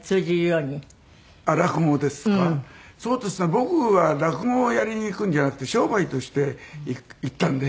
僕は落語をやりに行くんじゃなくて商売として行ったんで。